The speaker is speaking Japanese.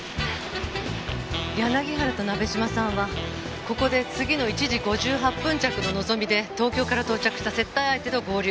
柳原と鍋島さんはここで次の１時５８分着ののぞみで東京から到着した接待相手と合流。